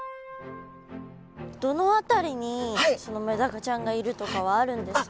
どの辺りにそのメダカちゃんがいるとかはあるんですか？